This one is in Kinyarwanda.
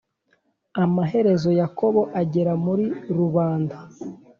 Amaherezo Yakobo agera muri rubanda